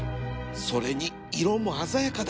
それに色も鮮やかだ